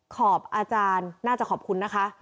ขอบอาจารย์น่าจะขอบคุณนะคะ